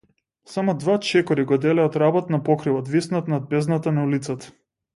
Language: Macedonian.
Само два чекори го делеа од работ на покривот виснат над бездната на улицата.